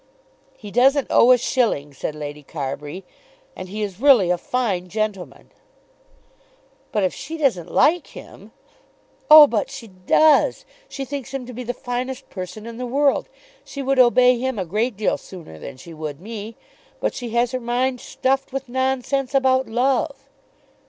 "He doesn't owe a shilling," said Lady Carbury, "and he is really a fine gentleman." "But if she doesn't like him?" "Oh, but she does. She thinks him to be the finest person in the world. She would obey him a great deal sooner than she would me. But she has her mind stuffed with nonsense about love."